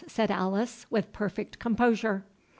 said Alice, with perfect composure.